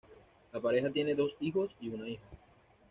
La pareja tiene dos hijos y una hija.